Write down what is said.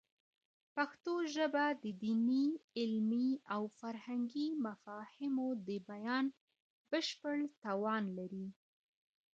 پښتو ژبه د دیني، علمي او فکري مفاهیمو د بیان بشپړ توان لري.